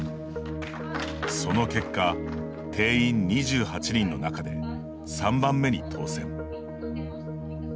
その結果、定員２８人の中で３番目に当選。